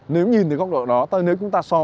nếu nhìn từ góc độ đó nếu chúng ta so